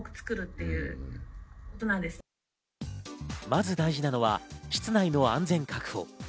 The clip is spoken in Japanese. まず大事なのは室内の安全確保。